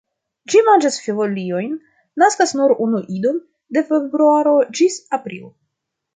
Ĝi manĝas foliojn, naskas nur unu idon de februaro ĝis aprilo.